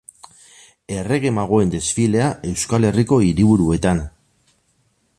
Errege magoen desfilea Euskal Herriko hiriburuetan.